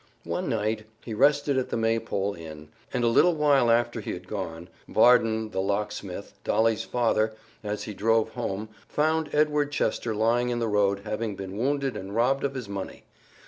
One night he rested at the Maypole Inn, and a little while after he had gone, Varden the locksmith, Dolly's father, as he drove home, found Edward Chester lying in the road, having been wounded and robbed of his money.